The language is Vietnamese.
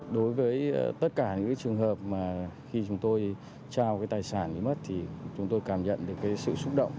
đối với tất cả những trường hợp mà khi chúng tôi trao cái tài sản bị mất thì chúng tôi cảm nhận được cái sự xúc động